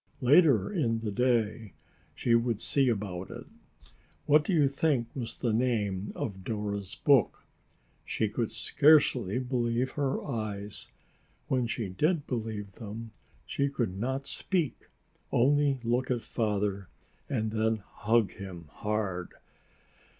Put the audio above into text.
Later in the day, she would see about it. What do you think was the name of Dora's book? She could scarcely believe her eyes. When she did believe them, she could not speak, only look at Father and then hug him hard.